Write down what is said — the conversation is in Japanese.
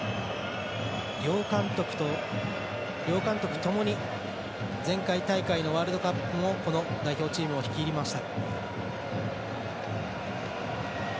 両監督ともに前回大会のワールドカップもこの代表チームを率いました。